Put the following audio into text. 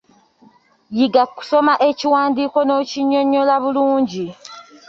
Yiga kusoma ekiwandiiko n'okinnyonnyola bulungi.